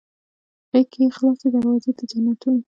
غیږ کې یې خلاصې دروازې د جنتونه